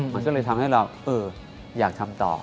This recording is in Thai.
มันก็เลยทำให้เราอยากทำต่อ